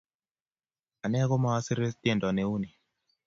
Anee komasirei tyendo neuni